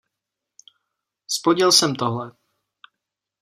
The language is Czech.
Zplodil jsem tohle